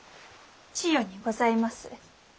千代にございます。